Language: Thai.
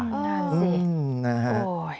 นั่นสิ